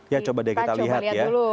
ya coba deh kita lihat ya